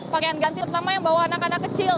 pakaian ganti terutama yang bawa anak anak kecil